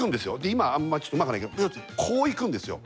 今あんまりうまくないけどこういくんですよ